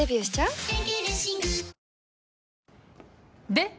で？